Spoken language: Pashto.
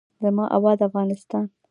زما اباد افغانستان.